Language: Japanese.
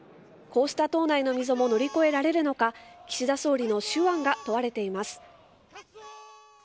こうした党内の溝も乗り越えられるのか岸田総理の手腕が問われています。